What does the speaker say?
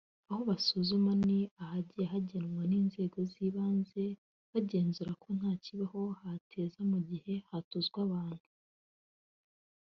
Aho basuzuma ni ahagiye hagenwa n’inzego z’ibanze bagenzura ko nta kibaho hateza mu gihe hatuzwa abantu